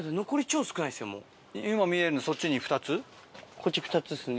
こっち２つっすね